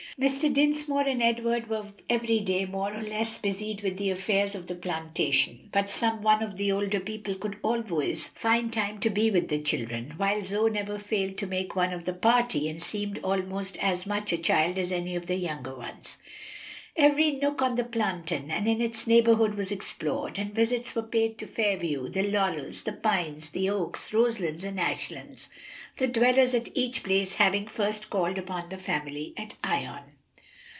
Mr. Dinsmore and Edward were every day more or less busied with the affairs of the plantation, but some one of the older people could always find time to be with the children, while Zoe never failed to make one of the party, and seemed almost as much a child as any of the younger ones. Every nook on the plantation and in its neighborhood was explored, and visits were paid to Fairview, the Laurels, the Pines, the Oaks, Roselands and Ashlands; the dwellers at each place having first called upon the family at Ion.